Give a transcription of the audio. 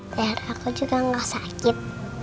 biar aku juga gak sakit